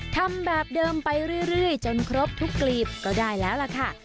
ทำแบบเดิมไปเรื่อยจนครบทุกกลีบก็ได้แล้วล่ะค่ะ